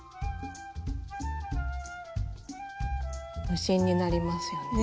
無心になりますよね。